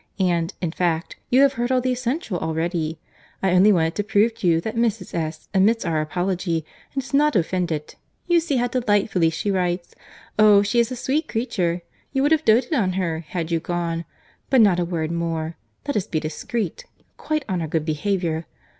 And, in fact, you have heard all the essential already. I only wanted to prove to you that Mrs. S. admits our apology, and is not offended. You see how delightfully she writes. Oh! she is a sweet creature! You would have doated on her, had you gone.—But not a word more. Let us be discreet—quite on our good behaviour.